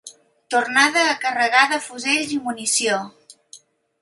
Tornada a carregar de fusells i munició.